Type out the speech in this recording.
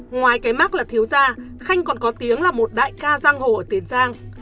ngoài cái mắc là thiếu da khanh còn có tiếng là một đại ca giang hồ ở tiền giang